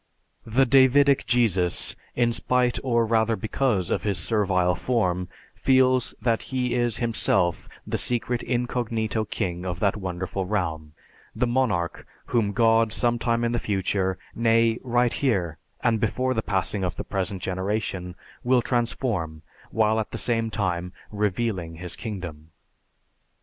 The Davidic Jesus, in spite or rather because of his servile form, feels that he is himself the secret incognito king of that wonderful realm, the monarch whom God some time in the future, nay, right here and before the passing of the present generation, will transform while at the same time "revealing" his kingdom.